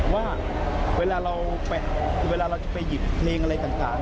ว่าเวลาเราไปหยิบเพลงอะไรต่าง